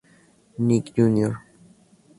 Nick Jr.